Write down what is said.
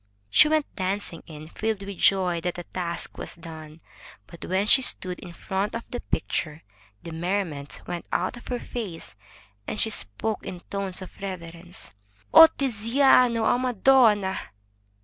'' She went dancing in, filled with joy that the task was done, but when she stood in front of the picture, the merriment went out of her face, and she spoke in tones of reverence: "Oh, Tiziano, a madonna!''